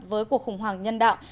với cuộc khủng hoảng nhân đạo